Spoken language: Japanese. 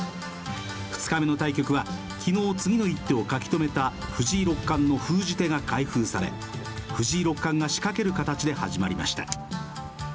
２日目の対局は昨日、次の一手を書き留めた藤井六冠の封じ手が開封され藤井六冠が仕掛ける形で始まりました。